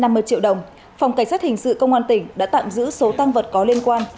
trong một tuần phòng cảnh sát hình sự công an tỉnh đã tạm giữ số tăng vật có liên quan